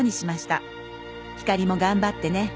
「ひかりもがんばってね」